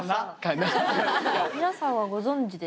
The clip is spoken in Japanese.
皆さんはご存じでした？